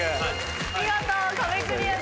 見事壁クリアです。